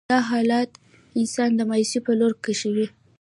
دا حالات انسان د مايوسي په لور کشوي.